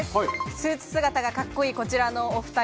スーツ姿がカッコいい、こちらのお２人。